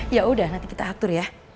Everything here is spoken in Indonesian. yaudah nanti kita atur ya